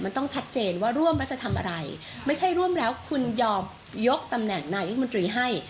มันต้องชัดเจนว่าร่วมแล้วจะทำอะไรไม่ใช่ร่วมแล้วคุณยอมยกตำแหน่งนายกรรมนตรีให้